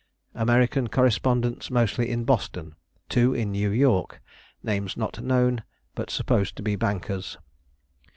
American correspondents mostly in Boston; two in New York. Names not known, but supposed to be bankers.